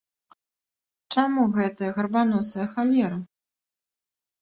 Чаму гэтая гарбаносая халера?